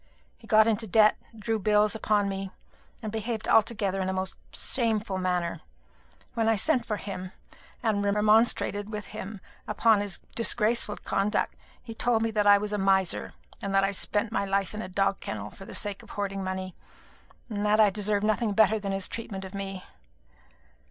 He got into debt, drew bills upon me, and behaved altogether in a most shameful manner. When I sent for him, and remonstrated with him upon his disgraceful conduct, he told me that I was a miser, that I spent my life in a dog kennel for the sake of hoarding money, and that I deserved nothing better than his treatment of me.